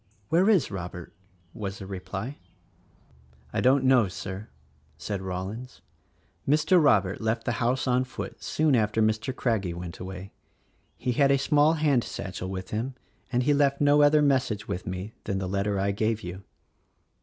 "Where is Robert?" was the reply. "I don't know, Sir," said Rollins, "Mr. Robert left the house on foot soon after Mr. Craggie went away — he had a small hand satchel with him and he left no other mes sage with me than the letter I gave you."